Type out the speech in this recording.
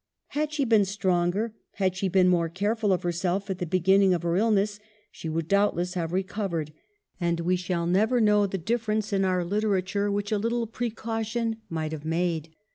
Had she been stronger, had she been more careful of herself at the beginning of her illness, she would doubtless have recovered, and we shall never know the difference in our literature which a little precaution might have made.